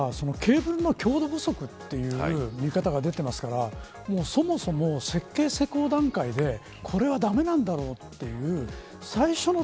点検もさることながら今回はケーブルの強度不足という見方が出ていますからそもそも設計施工段階でこれは駄目なんだろうという。